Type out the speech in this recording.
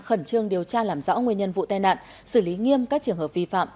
khẩn trương điều tra làm rõ nguyên nhân vụ tai nạn xử lý nghiêm các trường hợp vi phạm